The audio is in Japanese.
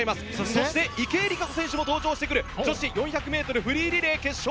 そして、池江璃花子さんも登場してくる女子４００ｍフリーリレー決勝。